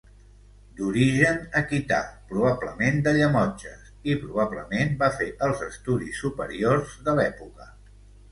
D'origen aquità, probablement de Llemotges, i probablement va fer els estudis superiors de l'època.